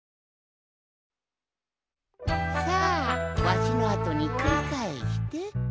さあわしのあとにくりかえして。